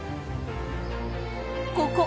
ここ！